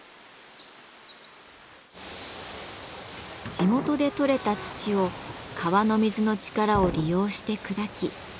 地元でとれた土を川の水の力を利用して砕き陶土を作ります。